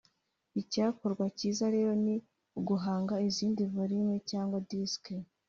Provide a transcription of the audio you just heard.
Icyakorwa kiza rero ni uguhanga izindi volume cyangwa Disc